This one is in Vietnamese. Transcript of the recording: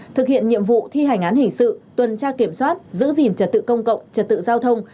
thực hiện nhiệm vụ thi hành án hình sự tuần tra kiểm soát giữ gìn trật tự công cộng trật tự giao thông